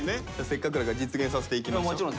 せっかくだから実現させていきましょう。